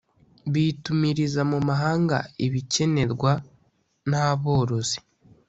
bitumiriza mu mahanga ibikenerwa n ,aborozi